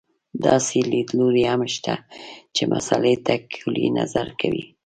داسې لیدلوري هم شته چې مسألې ته کُلي نظر کوي.